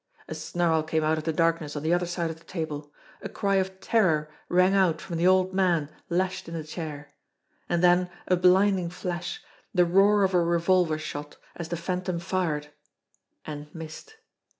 A snarl came out of the darkness on the other side of the table. A cry of terror rang out from the old man lashed in the chair. And then a blinding flash, the roar of a revolver shot, as the Phantom fired and missed.